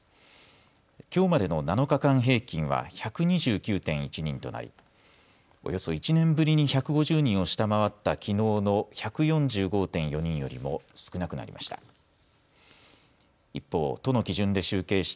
きょうまでの７日間平均は１２９．１人となりおよそ１年ぶりに１５０人を下回ったきのうの１４５．４人よりも少なくなりました。